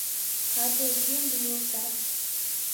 А тый кӧм лӱйылтат?